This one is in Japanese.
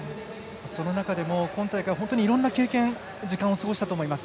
その中でも、今大会本当にいろんな経験時間を過ごしたと思います。